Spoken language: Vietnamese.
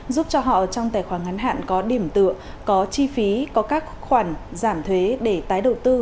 giúp cho họ trong tài khoản ngắn hạn có điểm tựa có chi phí có các khoản giảm thuế để tái đầu tư